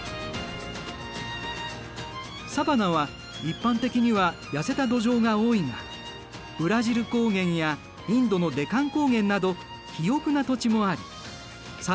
サバナは一般的にはやせた土壌が多いがブラジル高原やインドのデカン高原など肥沃な土地もありさ